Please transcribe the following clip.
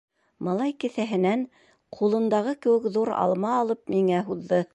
Малай кеҫәһенән ҡулындағы кеүек ҙур алма алып, миңә һуҙҙы.